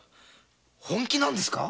本気なんですか？